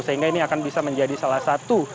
sehingga ini akan bisa menjadi salah satu